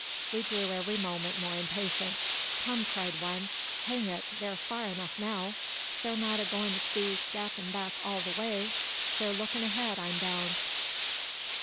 We grew every moment more impatient. "Come!" cried one; "hang it! they're far enough now. They're not a goin' to be gapin' back all the way. They're looking ahead, I'm bound.